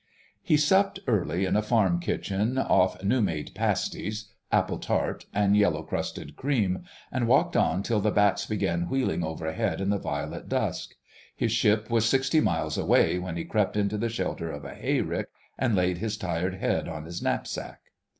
He supped early in a farm kitchen off new made pasties, apple tart and yellow crusted cream, and walked on till the bats began wheeling overhead in the violet dusk. His ship was sixty miles away when he crept into the shelter of a hayrick and laid his tired head on his knapsack.